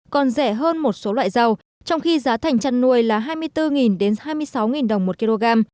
còn rẻ hơn một số loại rau trong khi giá thành chăn nuôi là hai mươi bốn hai mươi sáu đồng một kg